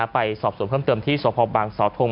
ไปสอบส่วนเพิ่มเติมที่สพบางสาวทง